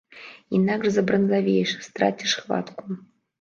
Інакш забранзавееш, страціш хватку.